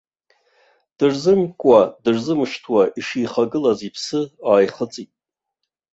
Дырзымкуа-дырзымышьҭуа ишихагылаз иԥсы ааихыҵит.